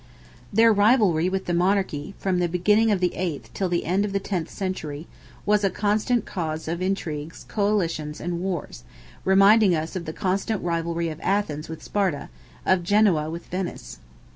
Their rivalry with the monarchy, from the beginning of the eighth till the end of the tenth century, was a constant cause of intrigues, coalitions, and wars, reminding us of the constant rivalry of Athens with Sparta, of Genoa with Venice.